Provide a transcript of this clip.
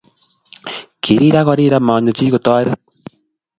kirir ako rir amanyo chii kotoret